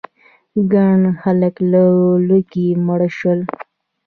ګڼ خلک له لوږې مړه شول.